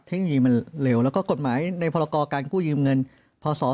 เทคโนโลยีมันเร็วแล้วก็กฎหมายในพรกรการกู้ยืมเงินพศ๒๕